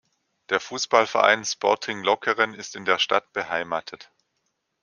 Der Fußballverein Sporting Lokeren ist in der Stadt beheimatet.